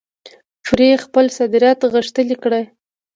پرې خپل صادرات غښتلي کړي.